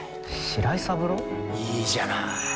いいじゃない。